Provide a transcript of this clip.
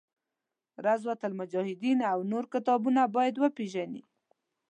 روضة المجاهدین او نور کتابونه باید وپېژني.